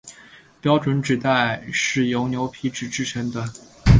标准纸袋是由牛皮纸制成的。